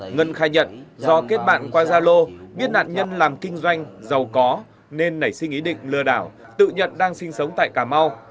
ngân khai nhận do kết bạn qua gia lô biết nạn nhân làm kinh doanh giàu có nên nảy sinh ý định lừa đảo tự nhận đang sinh sống tại cà mau